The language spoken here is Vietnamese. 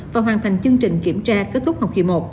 và hoàn thành chương trình kiểm tra kết thúc học kỳ một